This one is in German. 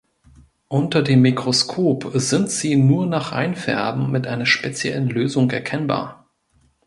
Unter dem Mikroskop sind sie nur nach Einfärben mit einer speziellen Lösung erkennbar.